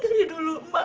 dina gak tau